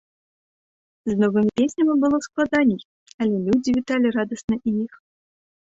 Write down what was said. З новымі песнямі было складаней, але людзі віталі радасна і іх.